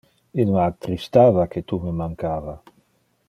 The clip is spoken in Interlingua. Il me attristava que tu me mancava.